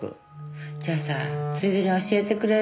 じゃあさついでに教えてくれる？